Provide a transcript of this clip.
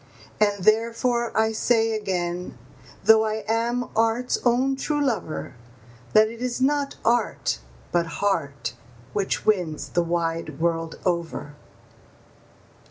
And therefore I say again, though I am art's own true lover, That it is not art, but heart, which wins the wide world over.